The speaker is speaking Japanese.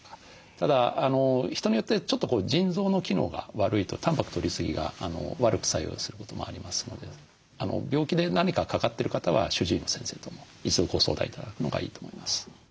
ただ人によってちょっと腎臓の機能が悪いとたんぱくとりすぎが悪く作用することもありますので病気で何かかかってる方は主治医の先生とも一度ご相談頂くのがいいと思います。